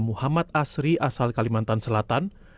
muhammad asri asal kalimantan selatan